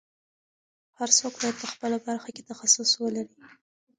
هر څوک باید په خپله برخه کې تخصص ولري.